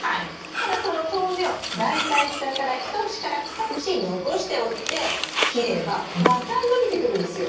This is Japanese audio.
ただその豆苗大体下から１節から２節残しておいて切ればまた伸びてくるんですよ。